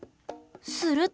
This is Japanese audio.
すると。